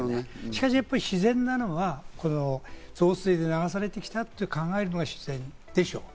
しかしやっぱり自然なのが増水で流されてきたと考えるのが自然でしょう。